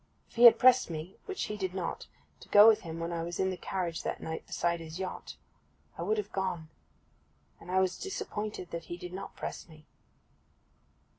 If he had pressed me—which he did not—to go with him when I was in the carriage that night beside his yacht, I would have gone. And I was disappointed that he did not press me.